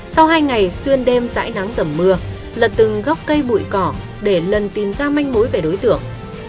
sau hai ngày xuyên đêm dãi nắng rầm mưa lật từng góc cây bụi cỏ để lần tìm ra manh mối về đối tượng